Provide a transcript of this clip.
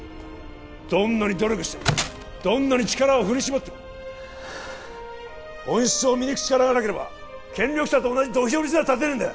どんなに努力してもどんなに力を振り絞っても本質を見抜く力がなければ権力者と同じ土俵にすら立てねえんだ